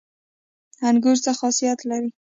انګور څه خاصیت لري؟